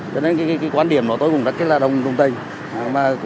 cho nên cái quan điểm đó tôi cũng rất là đông tinh